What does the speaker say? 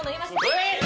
えっ！？